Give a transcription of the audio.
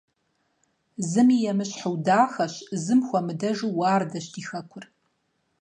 Зыми емыщхьу дахэщ, зым хуэмыдэжу уардэщ ди хэкур.